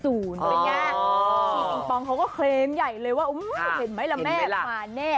ชีบิงปองเขาก็เคลมใหญ่เลยว่าเห็นไหมละแม่มาแน่